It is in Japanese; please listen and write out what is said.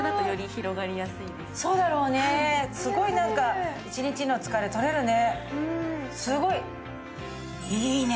すごいなんか、一日の疲れとれるね。